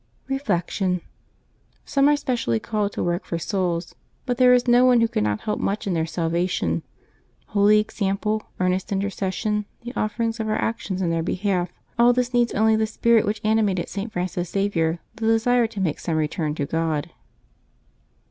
Reflection. — Some are specially called to work for souls ; but there is no one who cannot help much in their salva tion. Holy example, earnest intercession, the offerings of our actions in their behalf — all this needs only the spirit which animated St. Francis Xavier, the desire to make some return to God.